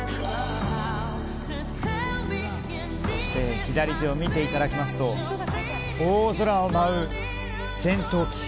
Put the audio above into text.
そして左手を見ていただきますと大空を舞う戦闘機。